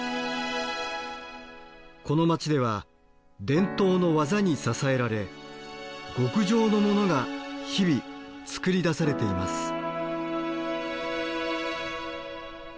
この街では伝統の技に支えられ極上のモノが日々作り出されています。